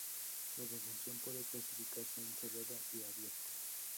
La recensión puede clasificarse en "cerrada" y "abierta".